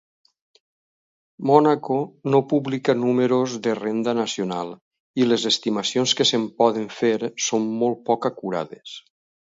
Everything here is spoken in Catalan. Mònaco no publica números de renda nacional; i les estimacions que se'n poden fer són molt poc acurades.